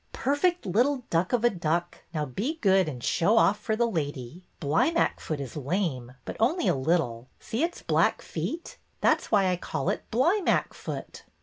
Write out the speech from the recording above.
Perfect little duck of a duck, now be good and show off for the lady. Blymackfoot is lame, but only a little. See its black feet. That 's why I call it Blymackfoot."